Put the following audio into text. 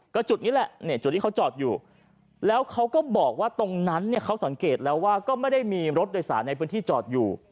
ก็จุดนี้แหละจุดที่เขาจอดอยู่แล้วเขาก็บอกว่าตรงนั้นเนี่ยเขาสังเกตแล้วว่าก็ไม่ได้มีรถโดยสารในพื้นที่จอดอยู่